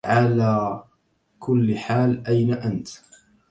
على كل حال أين أنت